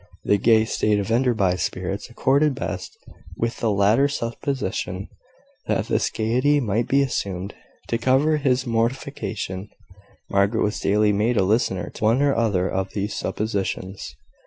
The gay state of Enderby's spirits accorded best with the latter supposition; but this gaiety might be assumed, to cover his mortification. Margaret was daily made a listener to one or other of these suppositions.